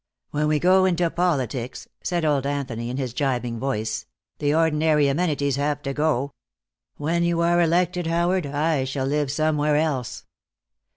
"When we go into politics," said old Anthony in his jibing voice, "the ordinary amenities have to go. When you are elected, Howard, I shall live somewhere else."